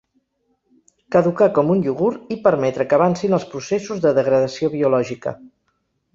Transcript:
Caducar com un iogurt i permetre que avancin els processos de degradació biològica.